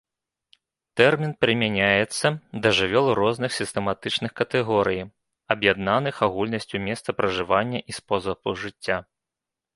Тэрмін прымяняецца да жывёл розных сістэматычных катэгорый, аб'яднаных агульнасцю месца пражывання і спосабу жыцця.